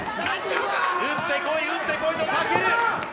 打ってこい、打ってこいと、武尊。